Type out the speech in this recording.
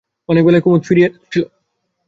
অনেক বেলায় কুমুদ ফিরিয়া আসিল।